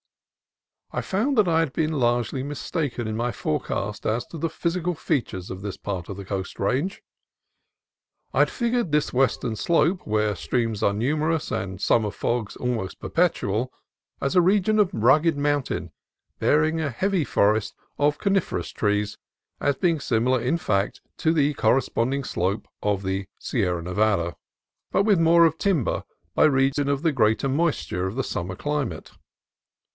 I found that I had been largely mistaken in my forecast as to' the physical features of this part of the Coast Range. I had figured this western slope, where streams are numerous and summer fogs almost per petual, as a region of rugged mountain, bearing a heavy forest of coniferous trees ; as being similar, in fact, to the corresponding slope of the Sierra Nevada, but with more of timber, by reason of the greater moisture of the summer climate.